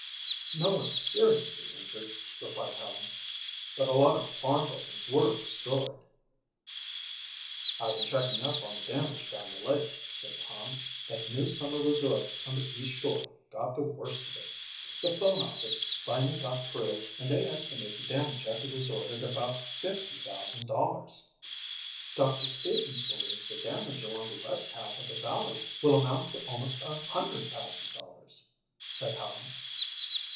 "No one seriously injured," replied Helen, "but a lot of farm buildings were destroyed." "I've been checking up on the damage down the lake," said Tom, "that new summer resort on the east shore got the worst of it. The phone office finally got through and they estimate the damage at the resort at about $50,000." "Doctor Stevens believes the damage along the west half of the valley will amount to almost a $100,000," said Helen.